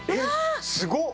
すごっ！